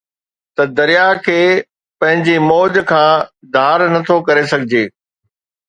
ته درياهه کي پنهنجي موج کان ڌار نٿو ڪري سگهجي